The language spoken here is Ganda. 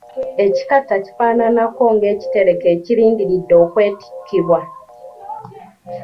Ekikata kifaananako ng'ekitereke ekirindiridde okwetikkibwa.